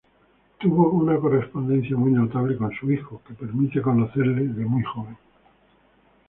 Tuvo una correspondencia muy notable con su hijo, que permite conocerle de muy joven.